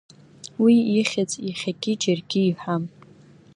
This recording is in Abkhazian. Уи ихьӡ иахьагьы џьаргьы иҳәам.